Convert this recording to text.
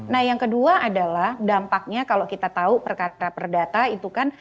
nah yang kedua adalah dampaknya kalau kita tahu perkara perdata itu kan